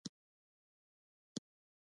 د خوست په ګربز کې د کرومایټ کانونه دي.